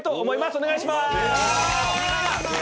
お願いします。